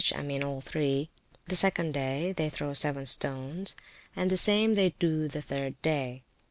377] (I mean all three), the second day, they throw seven stones; and the same they do the third day.